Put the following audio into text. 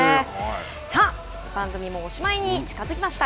さあ、番組もおしまいに近づきました。